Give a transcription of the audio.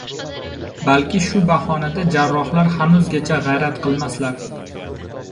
Balki shu bahonada jarrohlar hanuzgacha g‘ayrat qilmaslar?